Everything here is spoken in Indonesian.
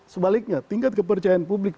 sebaliknya tingkat kepercayaan publik